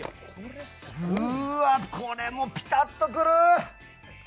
うわ、これもピタッとくる！